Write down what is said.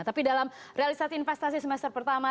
tapi dalam realisasi investasi semester pertama